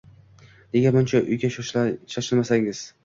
Nega buncha uyga shoshilmasangiz